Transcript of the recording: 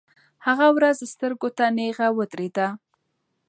هغه ورځ سترګو ته نیغه ودرېده.